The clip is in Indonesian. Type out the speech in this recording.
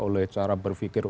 oleh cara berpikir